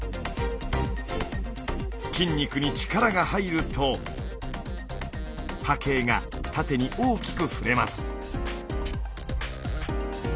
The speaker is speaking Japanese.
筋肉に力が入ると波形が縦に大きく振れます。